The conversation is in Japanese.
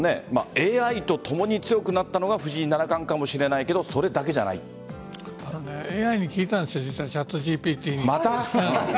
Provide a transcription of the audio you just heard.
ＡＩとともに強くなったのが藤井七冠かもしれないけどＡＩに聞いたんですＣｈａｔＧＰＴに。